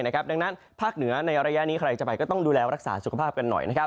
ดังนั้นภาคเหนือในระยะนี้ใครจะไปก็ต้องดูแลรักษาสุขภาพกันหน่อย